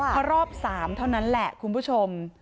เพราะรอบสามเท่านั้นแหละคุณผู้ชม